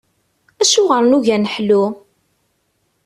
Acuɣer nugi ad neḥlu?